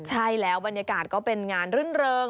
ใช่แล้วบรรยากาศก็เป็นงานรื่นเริง